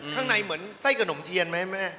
ข้างในเหมือนไส้ขนมเทียนไหมแม่